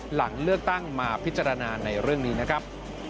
หลังเลือกตั้งมาพิจารณาในเรื่องนี้นะครับ